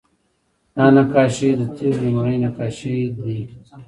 دا نقاشۍ د تیلو لومړنۍ نقاشۍ دي